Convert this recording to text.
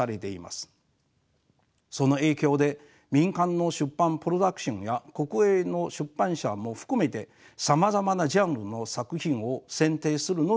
その影響で民間の出版プロダクションや国営の出版社も含めてさまざまなジャンルの作品を選定するのに神経を使います。